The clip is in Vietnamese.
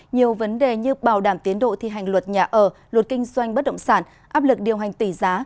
nhiều vấn đề như bảo đảm tiến độ thi hành luật nhà ở luật kinh doanh bất động sản áp lực điều hành tỷ giá